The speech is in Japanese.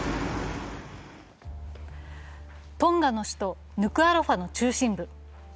トンガの首都ヌクアロファの中心部。